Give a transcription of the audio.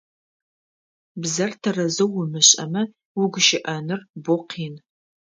Бзэр тэрэзэу умышӏэмэ угущыӏэныр бо къин.